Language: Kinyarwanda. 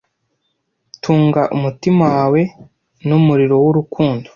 tunga umutima wawe n'umuriro w'urukundo